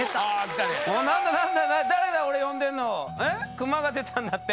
熊が出たんだって？